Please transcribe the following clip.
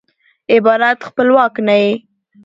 عبارت خپلواک نه يي.